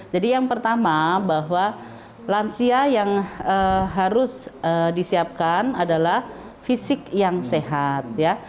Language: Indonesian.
jadi yang pertama bahwa lansia yang harus disiapkan adalah fisik yang sehat ya